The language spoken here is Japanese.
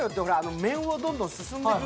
面をどんどん進んでく